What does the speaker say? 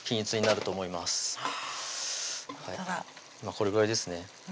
これぐらいですね